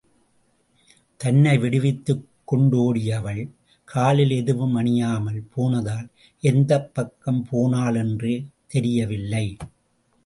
தன்னை விடுவித்துக் கொண்டு ஓடிய அவள், காலில் எதுவும் அணியாமல் போனதால் எந்தப் பக்கம் போனாளென்றே தெரியவில்லை.